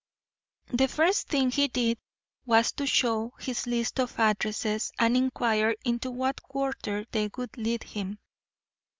The first thing he did was to show his list of addresses and inquire into what quarter they would lead him.